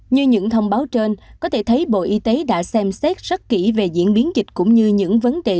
như những thông báo trên có thể thấy bộ y tế đã xem xét rất kỹ về diễn biến dịch cũng như những vấn đề